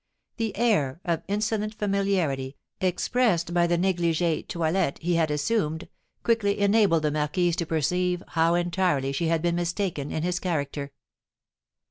The air of insolent familiarity, expressed by the negligée toilet he had assumed, quickly enabled the marquise to perceive how entirely she had been mistaken in his character.